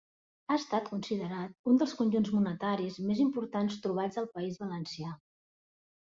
Ha estat considerat un dels conjunts monetaris més importants trobats al País Valencià.